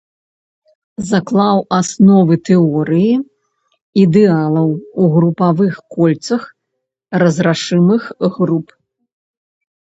Заклаў асновы тэорыі ідэалаў у групавых кольцах разрашымых груп.